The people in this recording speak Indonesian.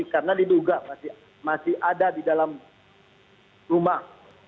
karena diduga masih ada di dalam rumah